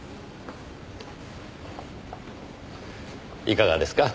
いかがですか？